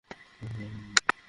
আমাদের মেয়ে গর্ভবতী।